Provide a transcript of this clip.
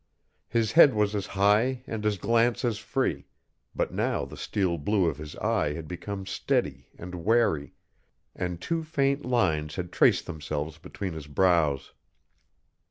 His head was as high and his glance as free, but now the steel blue of his eye had become steady and wary, and two faint lines had traced themselves between his brows.